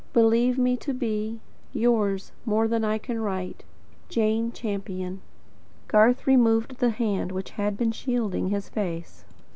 Believe me to be, Yours, more than I can write, Jane Champion. Garth removed the hand which had been shielding his face.